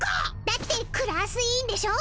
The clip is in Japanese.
だってクラス委員でしょ。